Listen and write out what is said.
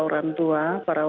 akan tertujukan kepada orang tua